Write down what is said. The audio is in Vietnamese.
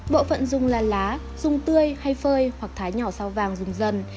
bộ phận dùng là lá dùng tươi hay phơi hoặc thái nhỏ sao vàng dùng dần